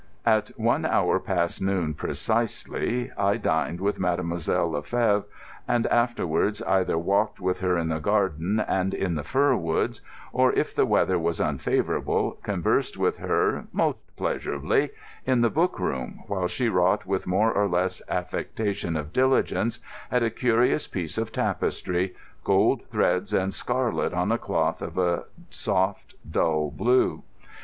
At one hour past noon precisely I dined with Mademoiselle le Fevre, and afterwards either walked with her in the garden and in the fir woods, or, if the weather was unfavourable, conversed with her, most pleasurably, in the book room, while she wrought with more or less affectation of diligence at a curious piece of tapestry, gold threads and scarlet on a cloth of a soft dull blue.